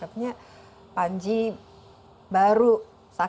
ternyata panji baru sakit kena sampah